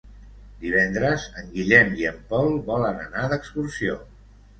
Divendres en Guillem i en Pol volen anar d'excursió.